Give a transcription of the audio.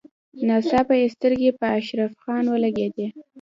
ناڅاپه يې سترګې په اشرف خان ولګېدې.